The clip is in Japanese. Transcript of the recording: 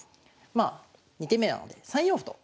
まあ２手目はね３四歩と。